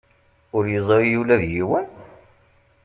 Ur yeẓri ula d yiwen?